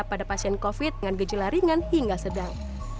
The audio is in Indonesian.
pada pasien covid dengan gejala ringan hingga sedang